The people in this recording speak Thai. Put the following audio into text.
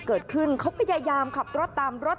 เกิดขึ้นเขาพยายามขับรถตามรถ